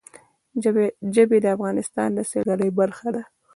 ژبې د افغانستان د سیلګرۍ برخه ده.